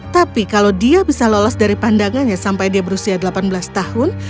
tapi kalau dia bisa lolos dari pandangannya sampai dia berusia delapan belas tahun